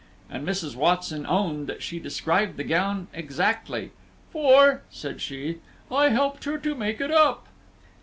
And Mrs. Watson owned that she described the gown exactly; "for," said she, "I helped her to make it up."